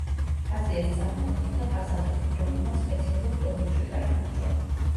აზიას წარმოადგენდა ყაზახეთი, რომელმაც სპეციალურ ტურნირში გაიმარჯვა.